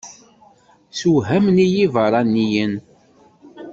Ssewhamen-iyi ibeṛṛaniyen.